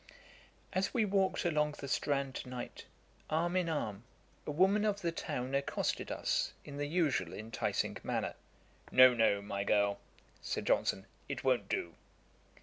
As we walked along the Strand to night, arm in arm, a woman of the town accosted us, in the usual enticing manner. 'No, no, my girl, (said Johnson) it won't do.'